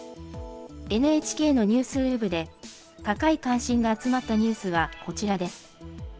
ＮＨＫのニュースウェブで高い関心が集まったニュースはこちらです。